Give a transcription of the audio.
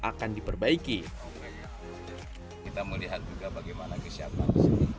akan diperbaiki kita melihat juga bagaimana kesiapan